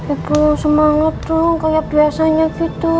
ibu semangat tuh kayak biasanya gitu